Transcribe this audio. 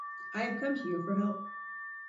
I have come to you for help.